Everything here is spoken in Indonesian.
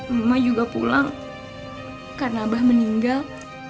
emak juga pulang karena abah meninggal